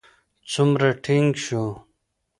څومره ټينګ شو.